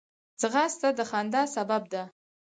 ځغاسته د خندا سبب ده